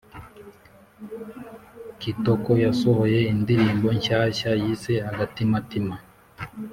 kitoko yasohoye indirimbo nshyashya yise agatimatima